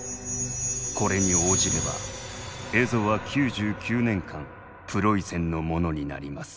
これに応じれば蝦夷は９９年間プロイセンのものになります」。